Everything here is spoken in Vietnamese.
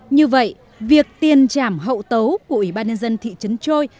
như vậy việc tiền trảm hậu tấu của ủy ban nhân dân thị trấn trôi